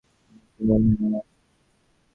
তোমার কি মনে হয় আমার আসা উচিত?